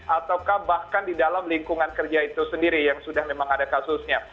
ataukah bahkan di dalam lingkungan kerja itu sendiri yang sudah memang ada kasusnya